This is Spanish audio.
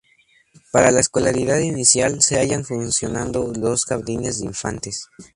Para la escolaridad inicial, se hallan funcionando dos jardines de infantes.